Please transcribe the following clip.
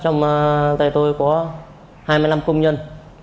trong tay tôi có hai mươi năm công nhân